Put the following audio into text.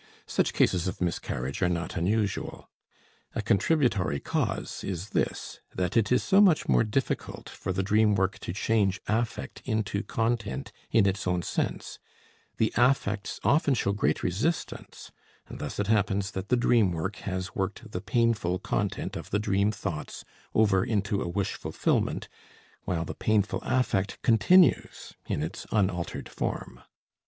Such cases of miscarriage are not unusual. A contributory cause is this, that it is so much more difficult for the dream work to change affect into content in its own sense; the affects often show great resistance, and thus it happens that the dream work has worked the painful content of the dream thoughts over into a wish fulfillment, while the painful affect continues in its unaltered form.